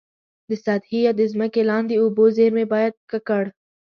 د سطحي یا د ځمکي لاندي اوبو زیرمي باید ککړ.